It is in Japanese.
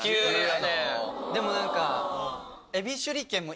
でも何か。